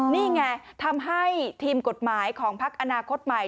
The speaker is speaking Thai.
นี่ไงทำให้ทีมกฎหมายของพักอนาคตใหม่